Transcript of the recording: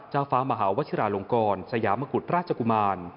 เจ้าฟ้ามหาวชิราลงกรสยามกุฎราชกุมาร